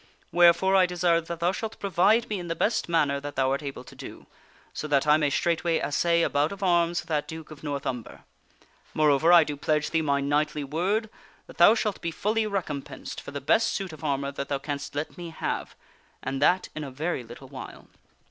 Wherefore I de sire that thou shalt provide me in the best manner that thou art able to do, so that I may straightway assay a bout of arms with that Duke of North Umber. Moreover, I do pledge thee my knightly word that thou shalt be fully recompensed for the best suit of armor that thou canst let me have, and that in a very little while."